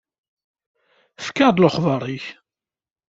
Efk-aɣ-d lexbar-ik.